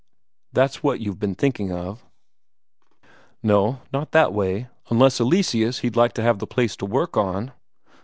"That's what you've been thinking of?" "No, not that way.... Unless Eleseus he'd like to have the place to work on."